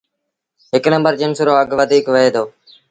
هڪ نمبر جنس رو اگھ وڌيٚڪ وهئي دو۔